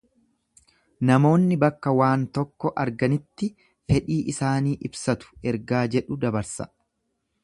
Namoonni bakka waan tokko arganitti fedhii isaanii ibsatu ergaa jedhu dabarsa.